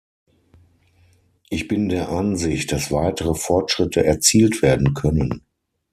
Ich bin der Ansicht, dass weitere Fortschritte erzielt werden können.